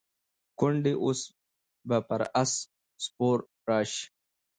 ګوندي اوس به پر آس سپور راشي.